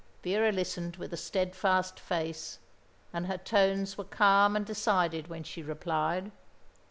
Vera listened with a steadfast face, and her tones were calm and decided when she replied.